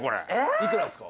いくらですか？